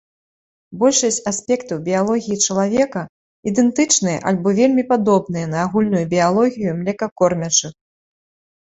Большасць аспектаў біялогіі чалавека ідэнтычныя альбо вельмі падобныя на агульную біялогію млекакормячых.